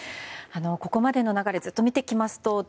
ここまでの流れをずっと見ていきますと